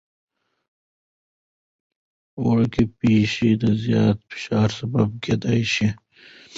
وړوکي پېښې د زیات فشار سبب کېدای شي.